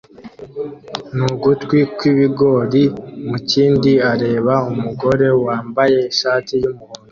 n'ugutwi kw'ibigori mu kindi areba umugore wambaye ishati y'umuhondo